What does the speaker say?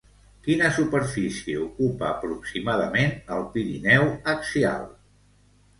Quina superfície ocupa aproximadament el Pirineu Axial?